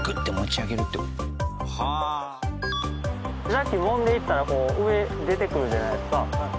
ジャッキもんでいったら上出てくるじゃないですか。